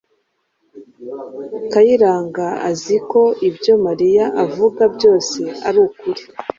Kayiranga azi ko ibyo Mariya avuga byose ari ukuri.